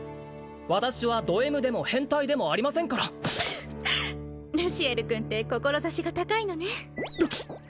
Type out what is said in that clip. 私はドＭでも変態でもありませんからルシエル君って志が高いのねドキッ！